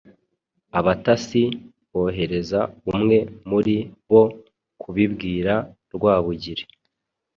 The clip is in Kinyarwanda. Abatasi bohereza umwe muri bo kubibwira Rwabugiri